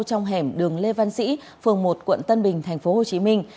trong hẻm đường lê văn sĩ phường một quận tân bình thành phố hồ chí minh